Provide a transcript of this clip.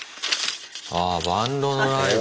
ああバンドのライブ。